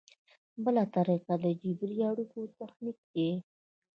بله طریقه د جبري اړیکو تخنیک دی.